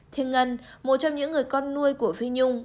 thiên ngân một trong những người con nuôi của phi nhung